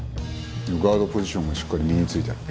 ガードポジションがしっかり身についたら。